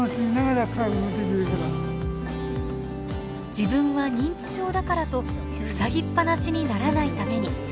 自分は認知症だからとふさぎっぱなしにならないために。